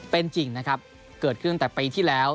เป็นจริงนะครับเกิดขึ้นแต่ปีที่แล้ว